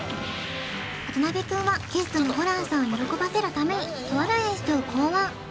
渡辺くんはゲストのホランさんを喜ばせるためにとある演出を考案